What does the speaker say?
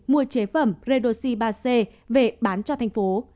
mua chế phẩm redoxi ba c về bán cho thành phố